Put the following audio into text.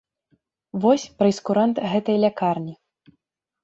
Вось прэйскурант гэтай лякарні.